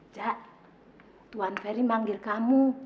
cak tuan ferry manggil kamu